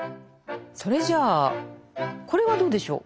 それじゃあこれはどうでしょう。